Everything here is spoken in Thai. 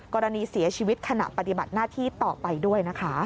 กรณีเสียชีวิตขณะปฏิบัติหน้าที่ต่อไปด้วยนะคะ